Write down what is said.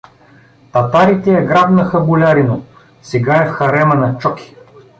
— Татарите я грабнаха, болярино, сега е в харема на Чоки!